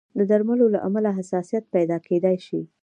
د درملو له امله حساسیت پیدا کېدای شي.